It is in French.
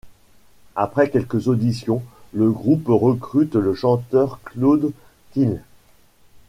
Après quelques auditions, le groupe recrute le chanteur Claude Thill.